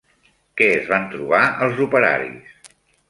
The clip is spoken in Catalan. Què es van trobar els operaris?